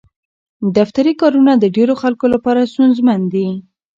دفتري کارونه د ډېرو خلکو لپاره ستونزمن دي.